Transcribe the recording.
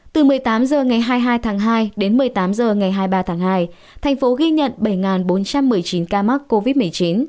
từ một mươi tám h ngày hai mươi hai tháng hai đến một mươi tám h ngày hai mươi ba tháng hai thành phố ghi nhận bảy bốn trăm một mươi chín ca mắc covid một mươi chín